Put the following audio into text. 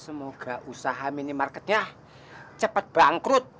semoga usaha minimarketnya cepat bangkrut